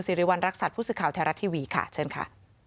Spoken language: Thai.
ขอบคุณสิริวัณรักษัตริย์พูดสึกข่าวแท้รักทีวีค่ะเชิญค่ะ